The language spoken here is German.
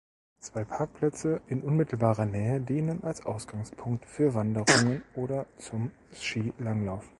Zwei Parkplätze in unmittelbarer Nähe dienen als Ausgangspunkt für Wanderungen oder zum Skilanglauf.